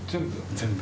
全部。